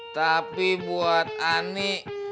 tapi buat ani